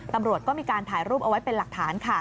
ตำรวจก็มีการถ่ายรูปเอาไว้เป็นหลักฐานค่ะ